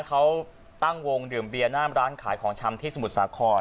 เขาตั้งวงดื่มเบียร์หน้ามร้านขายของชำที่สมุทรสาคร